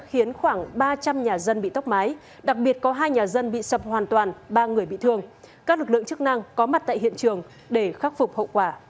hẹn gặp lại các bạn trong những bản tin tiếp theo